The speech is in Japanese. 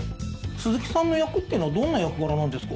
鈴木さんの役ってのはどんな役柄なんですか？